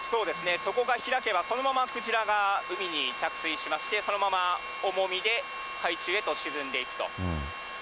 底が開けば、そのままクジラが海に着水しまして、そのまま重みで海中へと沈んでいくと。